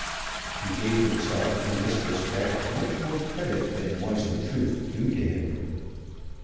He gave himself in this respect much more credit than was in truth due to him.